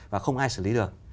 và không ai xử lý được